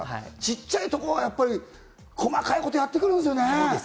ちっちゃいところはやっぱり細かいことやってくるんですよね。